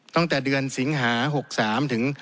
ตั้งแต่เดือนสิงหา๖๓ถึง